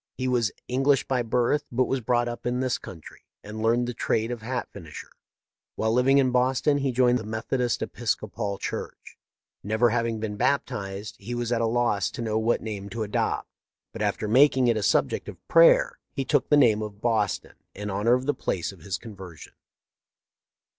He was Eng lish by birth, but was brought up in this country, and learned the trade of hat finisher. While living in Boston he joined the Methodist Episcopal Church. Never having been baptized, he was at a loss to know what name to adopt, but after making it a subject of prayer he took the name of Boston, THE LIFE OF LINCOLN. 577 in honor of the place of his conversion.